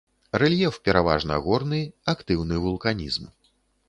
Рэльеф пераважна горны, актыўны вулканізм.